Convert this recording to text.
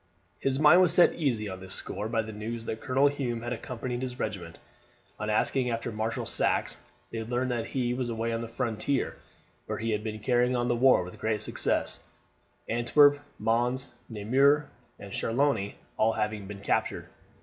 His mind was set easy on this score by the news that Colonel Hume had accompanied his regiment. On asking after Marshal Saxe they learned that he was away on the frontier, where he had been carrying on the war with great success, Antwerp, Mons, Namur, and Charleroi all having been captured.